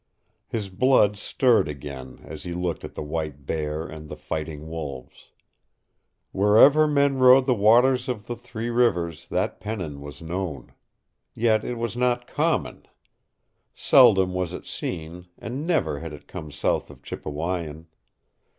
His blood stirred again as he looked at the white bear and the fighting wolves. Wherever men rode the waters of the Three Rivers that pennon was known. Yet it was not common. Seldom was it seen, and never had it come south of Chipewyan.